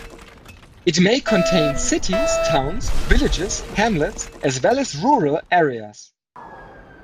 It may contain cities, towns, villages, hamlets as well as rural areas.